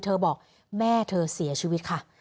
บอกแม่เธอเสียชีวิตค่ะ